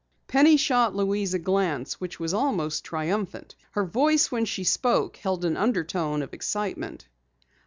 Penny shot Louise a glance which was almost triumphant. Her voice when she spoke held an undertone of excitement.